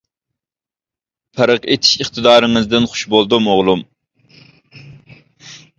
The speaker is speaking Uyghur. پەرق ئېتىش ئىقتىدارىڭىزدىن خۇش بولدۇم، ئوغلۇم!